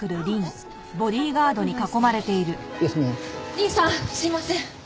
リンさんすいません。